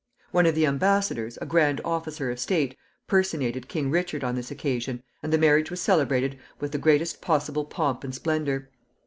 One of the embassadors, a grand officer of state, personated King Richard on this occasion, and the marriage was celebrated with the greatest possible pomp and splendor.